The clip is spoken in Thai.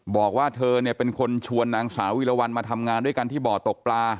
บอกว่าเธอเนี่ยเป็นคนชวนนางสาววิลวันมาทำงานด้วยกันที่บ่อตกปลา